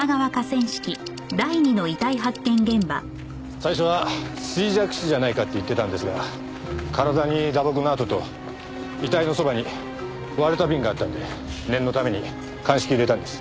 最初は衰弱死じゃないかって言ってたんですが体に打撲の痕と遺体のそばに割れたビンがあったんで念のために鑑識を入れたんです。